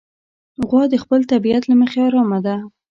غوا د خپل طبیعت له مخې ارامه ده.